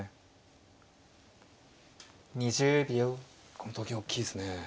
このと金大きいですね。